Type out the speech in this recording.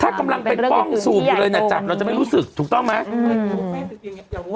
ถ้ากำลังไปป้องสูบอยู่เลยนะจับเราจะไม่รู้สึกถูกต้องไหม